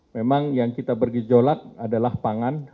memang yang kita bergejolak adalah pangan